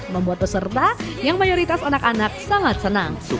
membuat peserta yang mayoritas anak anak sangat senang